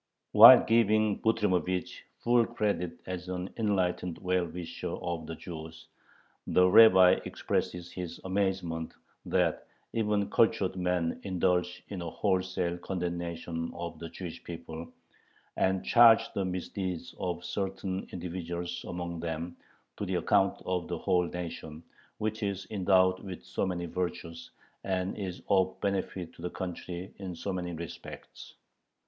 While giving Butrymovich full credit as an enlightened well wisher of the Jews, the Rabbi expresses his amazement that even cultured men indulge in a wholesale condemnation of the Jewish people, and charge the misdeeds of certain individuals among them to the account of the whole nation, which is endowed with so many virtues, and is of benefit to the country in so many respects.